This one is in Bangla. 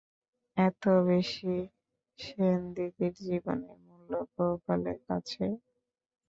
এতবেশি সেনদিদির জীবনের মূল্য গোপালের কাছে?